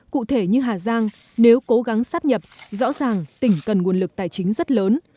cụ thể như hà giang nếu cố gắng sắp nhập rõ ràng tỉnh cần nguồn lực tài chính rất lớn